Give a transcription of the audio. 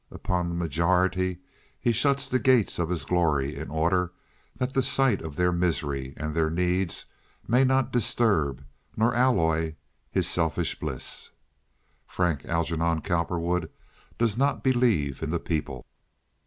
Upon the majority he shuts the gates of his glory in order that the sight of their misery and their needs may not disturb nor alloy his selfish bliss. Frank Algernon Cowperwood does not believe in the people."